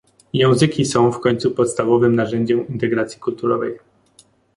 języki są w końcu podstawowym narzędziem integracji kulturowej